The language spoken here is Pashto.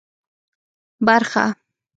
برخه